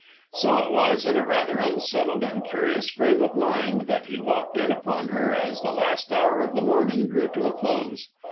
So it was in a rather unsettled and curious frame of mind that he walked in upon her as the last hour of the morning drew to a close.